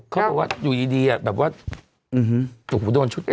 เขาบอกว่าอยู่ดีแบบว่าถูกโดนชุดเนี่ย